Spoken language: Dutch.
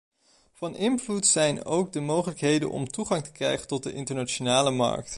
Van invloed zijn ook de mogelijkheden om toegang te krijgen tot de internationale markt.